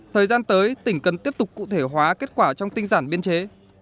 thời gian tới tỉnh cần tiếp tục cụ thể hóa kết quả trong tinh giản biên chế